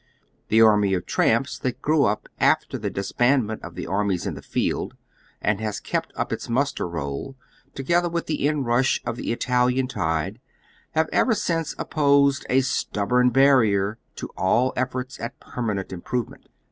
The army of tramps that grew up after the disbandment of the armies in the field, and Jias kept up its muster roll, together with the in i'ush of the Italian tide, have ever since opposed a stubborn barrier to all efforts at permanent improvement.